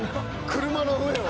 車の上を？